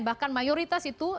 bahkan mayoritas itu